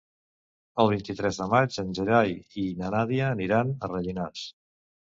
El vint-i-tres de maig en Gerai i na Nàdia aniran a Rellinars.